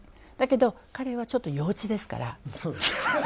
だけど彼はちょっと幼稚ですから。